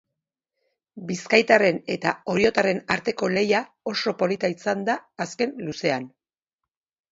Bizkaitarren eta oriotarren arteko lehia oso polita izan da azken luzean.